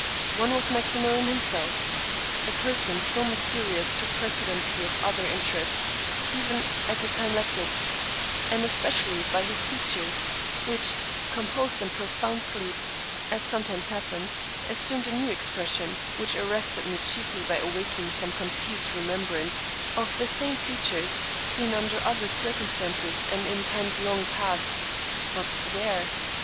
One was Maximilian himself. A person so mysterious took precedency of other interests even at a time like this; and especially by his features, which, composed in profound sleep, as sometimes happens, assumed a new expression, which arrested me chiefly by awaking some confused remembrance of the same features seen under other circumstances and in times long past ; but where?